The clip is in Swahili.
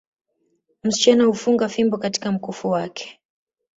Msichana hufunga fimbo katika mkufu wake